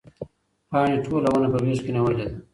پاڼې ټوله ونه په غېږ کې نیولې ده.